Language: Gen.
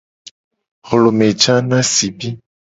Hlome ja na sibi.